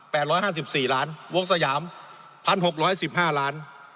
ร้อยห้าสิบสี่ล้านวงสยามพันหกร้อยสิบห้าล้าน